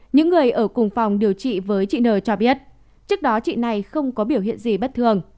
những người ở cùng phòng điều trị với chị nờ cho biết trước đó chị này không có biểu hiện gì bất thường